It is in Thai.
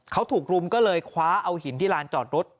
เขาถูกรุมก็เลยคว้าเอาหินที่ลานจอดรถ